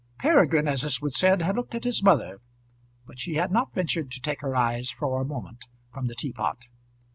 Peregrine, as this was said, had looked at his mother, but she had not ventured to take her eyes for a moment from the teapot.